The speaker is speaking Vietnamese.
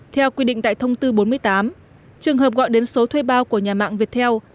theo quy định tại thông tư bốn mươi tám trường hợp gọi đến số thuê bao của nhà mạng viettel